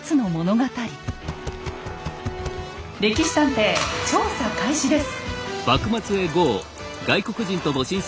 「歴史探偵」調査開始です。